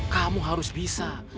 kamu harus bisa